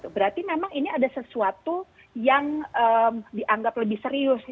berarti memang ini ada sesuatu yang dianggap lebih serius